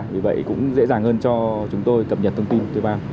vì vậy cũng dễ dàng hơn cho chúng tôi cập nhật thông tin thuê bao